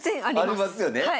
ありますよね。